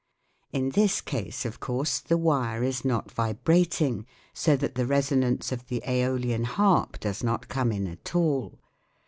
In this case, of course, the wire is not vibrating, so that the resonance of the aeolian harp does not come in at all.